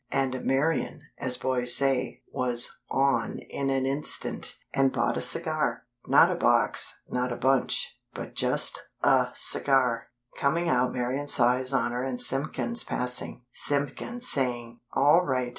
And Marian, as boys say, was "on" in an instant; and bought a cigar. Not a box, not a bunch, but just a cigar. Coming out Marian saw His Honor and Simpkins passing; Simpkins saying: "All right.